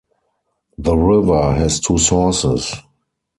The river has two sources.